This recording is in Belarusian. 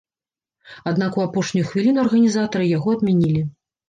Аднак у апошнюю хвіліну арганізатары яго адмянілі.